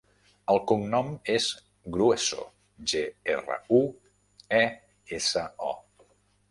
El cognom és Grueso: ge, erra, u, e, essa, o.